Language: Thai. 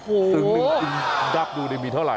โอ้โฮดับดูได้มีเท่าไร